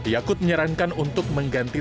yakut menyarankan untuk mengganti